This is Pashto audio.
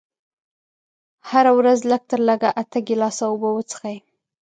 هره ورځ لږ تر لږه اته ګيلاسه اوبه وڅښئ.